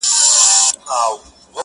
لا هم ژوندی پاته کيږي،